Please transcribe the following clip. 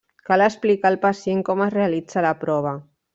Cal explicar al pacient com es realitza la prova.